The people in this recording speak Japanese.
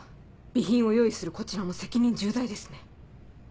備品を用意するこちらも責任重大ですね。